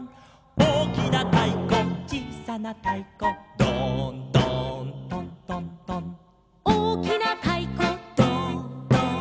「おおきなたいこちいさなたいこ」「ドーンドーントントントン」「おおきなたいこドーンドーン」